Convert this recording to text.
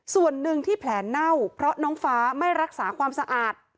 ส่วนหนึ่งที่แผลเน่าเพราะน้องฟ้าไม่รักษาความสะอาด